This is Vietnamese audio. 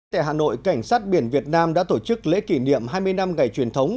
tại hà nội cảnh sát biển việt nam đã tổ chức lễ kỷ niệm hai mươi năm ngày truyền thống